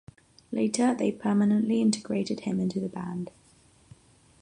Later they permanently integrated him into the band.